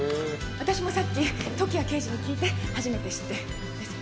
私もさっき時矢刑事に聞いて初めて知って。ですよね？